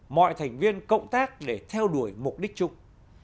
mọi thành viên cộng tác để theo đuổi mục đích chung